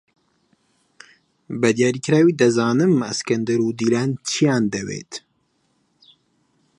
بەدیاریکراوی دەزانم ئەسکەندەر و دیلان چییان دەوێت.